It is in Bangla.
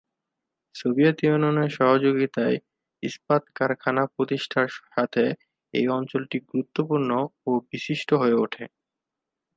সোভিয়েত ইউনিয়নের সহযোগিতায় ইস্পাত কারখানা প্রতিষ্ঠার সাথে এই অঞ্চলটি গুরুত্বপূর্ণ ও বিশিষ্ট হয়ে ওঠে।